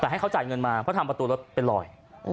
แต่ให้เขาจ่ายเงินมาเพราะทำประตูรถเป็นลอย